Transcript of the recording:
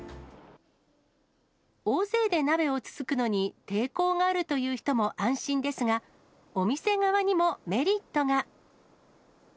大勢で鍋をつつくのに抵抗があるという人も安心ですが、お店側にもメリットが。